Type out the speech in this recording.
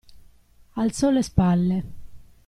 Alzò le spalle.